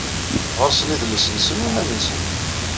Ɣer-sen idles-nsen iman-nsen